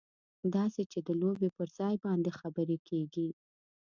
داسې چې د لوبې پر ځای باندې خبرې کېږي.